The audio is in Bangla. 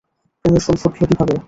প্রেমের ফুল ফুটলো কীভাবে?